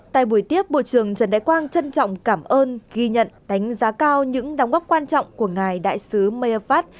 tại buổi tiếp bộ trưởng trần đại quang trân trọng cảm ơn ghi nhận đánh giá cao những đóng góp quan trọng của ngài đại sứ meephat